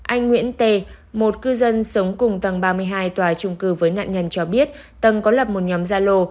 anh nguyễn t một cư dân sống cùng tầng ba mươi hai tòa trung cư với nạn nhân cho biết tầng có lập một nhóm gia lô